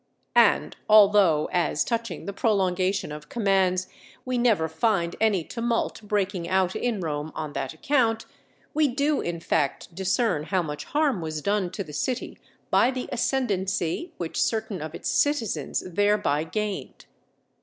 And although, as touching the prolongation of commands, we never find any tumult breaking out in Rome on that account, we do in fact discern how much harm was done to the city by the ascendency which certain of its citizens thereby gained.